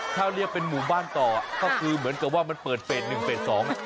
ถ้าเรียกเป็นหมู่บ้านต่อก็คือเหมือนกับว่ามันเปิดเฟสหนึ่งเฟสสอง